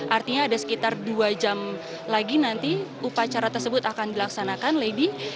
artinya ada sekitar dua jam lagi nanti upacara tersebut akan dilaksanakan lady